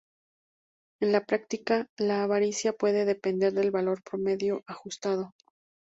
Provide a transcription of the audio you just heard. En la práctica, la varianza puede depender del valor promedio ajustado.